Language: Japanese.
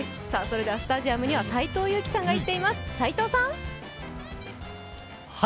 スタジアムには斎藤佑樹さんが行っています斎藤さん。